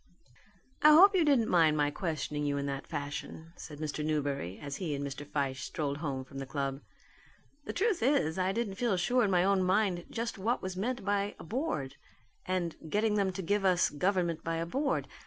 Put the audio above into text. "I hope you didn't mind my questioning you in that fashion," said Mr. Newberry, as he and Mr. Fyshe strolled home from the club. "The truth is I didn't feel sure in my own mind just what was meant by a 'Board,' and 'getting them to give us government by a Board.'